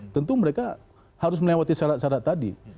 tentu mereka harus melewati syarat syarat tadi